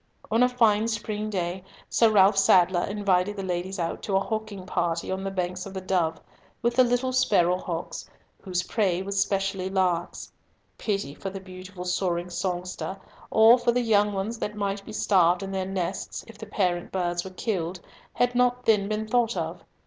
On a fine spring day Sir Ralf Sadler invited the ladies out to a hawking party on the banks of the Dove, with the little sparrow hawks, whose prey was specially larks. Pity for the beautiful soaring songster, or for the young ones that might be starved in their nests, if the parent birds were killed, had not then been thought of.